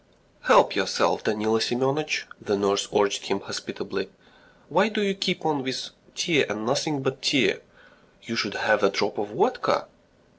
"Help yourself, Danilo Semyonitch," the nurse urged him hospitably. "Why do you keep on with tea and nothing but tea? You should have a drop of vodka!"